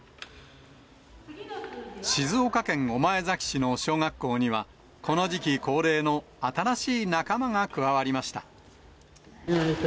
静岡県御前崎市の小学校には、この時期恒例の新しい仲間が加わりました。